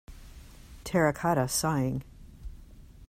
Terracotta Sighing.